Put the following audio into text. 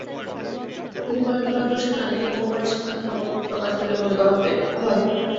তিনি বলেন, ভারতবর্ষে নারীকে ভগবানের সাক্ষাৎ প্রকাশ বলিয়া মনে করা হয়।